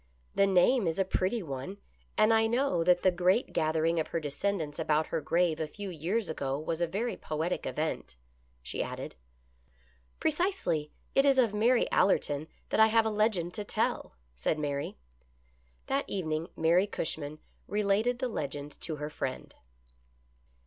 " The name is a pretty one, and I know that the great gathering of her descendants about her grave a few years ago was a very poetic event," she added. " Precisely. It is of Mary Allerton that I have a legend to tell," said Mary. That evening Mary Cushman related the legend to her friend.